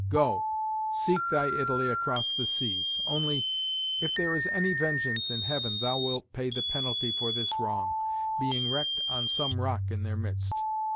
Go, seek thy Italy across the seas: only, if there is any vengeance in heaven, thou wilt pay the penalty for this wrong, being wrecked on some rock in their midst.